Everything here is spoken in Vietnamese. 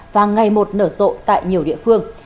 và ngày một nở rộ tại nhiều địa phương